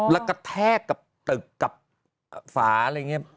แล้วกระแทกกับตึกกับฝาอะไรอย่างนี้